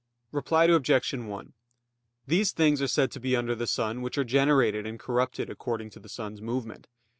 Reply Obj. 1: These things are said to be under the sun which are generated and corrupted according to the sun's movement.